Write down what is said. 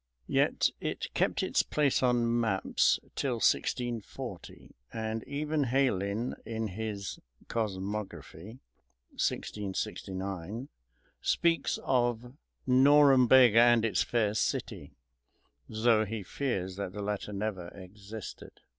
Yet it kept its place on maps till 1640, and even Heylin in his "Cosmography" (1669) speaks of "Norumbega and its fair city," though he fears that the latter never existed.